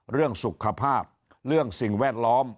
เรื่องสุขภาพเรื่องสิ่งแวดล้อม